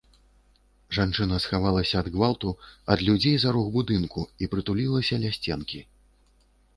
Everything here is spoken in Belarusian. Жанчына схавалася ад гвалту, ад людзей за рог будынку і прытулілася ля сценкі.